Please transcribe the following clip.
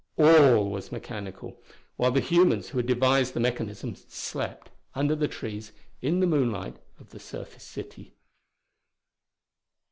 All was mechanical: while the humans who had devised the mechanisms slept under the trees in the moonlight of the surface city.